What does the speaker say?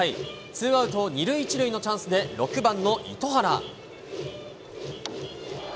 ツーアウト２塁１塁のチャンスで６番のいとはら。